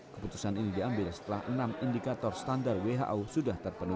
keputusan ini diambil setelah enam indikator standar who sudah terpenuhi